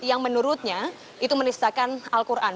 yang menurutnya itu menistakan al quran